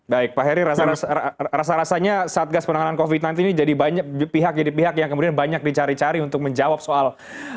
baik pak heri rasa rasanya satgas penanganan covid sembilan belas ini jadi banyak pihak jadi pihak yang kemudian banyak dicari cari untuk menjawab soal